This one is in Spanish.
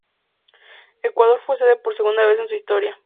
Ecuador fue sede por segunda vez en su historia.